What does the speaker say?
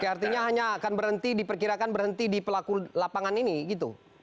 oke artinya hanya akan berhenti diperkirakan berhenti di pelaku lapangan ini gitu